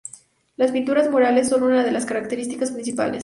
Las pinturas murales son una de las características principales.